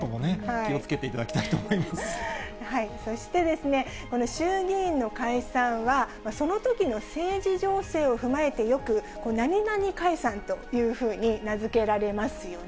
気をつけていただきたいと思いまそしてですね、衆議院の解散は、そのときの政治情勢を踏まえて、よく何々解散というふうに名付けられますよね。